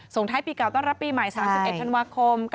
ท้ายปีเก่าต้อนรับปีใหม่๓๑ธันวาคม